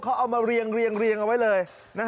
เขาเอามาเรียงเอาไว้เลย